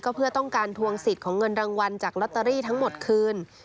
เพื่อต้องการทวงสิทธิ์ของเงินรางวัลจากลอตเตอรี่ทั้งหมดคืน